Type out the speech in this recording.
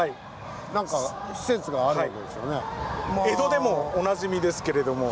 江戸でもおなじみですけれども。